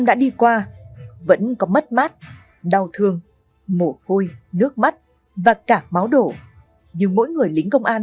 đã đi qua vẫn có mất mát đau thương mổ hôi nước mắt và cả máu đổ nhưng mỗi người lính công an